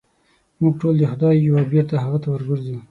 موږ ټول د خدای یو او بېرته هغه ته ورګرځو.